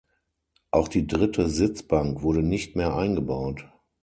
Auch die dritte Sitzbank wurde nicht mehr eingebaut.